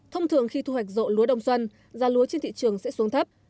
thông thường khi thu hoạch rộ lúa đông xuân giá lúa trên thị trường sẽ xuống thấp